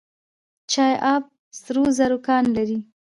چاه اب سرو زرو کان لري؟